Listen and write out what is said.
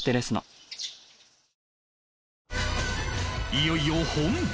いよいよ本番